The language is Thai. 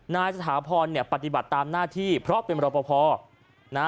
นายสถาพรปฏิบัติตามหน้าที่เพราะเป็นบริษัทภอพอ